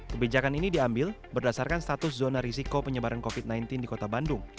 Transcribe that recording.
kebijakan ini diambil berdasarkan status zona risiko penyebaran covid sembilan belas di kota bandung